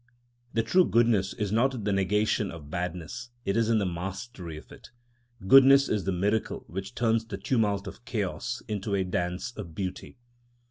The true goodness is not the negation of badness, it is in the mastery of it. Goodness is the miracle which turns the tumult of chaos into a dance of beauty.